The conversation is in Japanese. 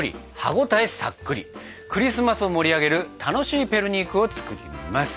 クリスマスを盛り上げる楽しいペルニークを作ります！